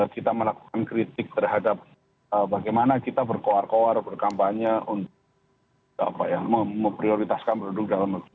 kita melakukan kritik terhadap bagaimana kita berkoar koar berkampanye untuk memprioritaskan produk dalam negeri